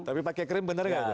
tapi pakai krim bener nggak